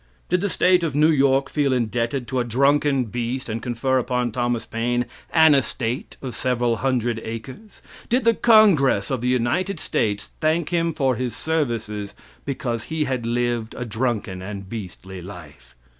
Did the State of New York feel indebted to a drunken beast, and confer upon Thomas Paine an estate of several hundred acres? Did the Congress of the United States thank him for his services because he had lived a drunken and beastly life?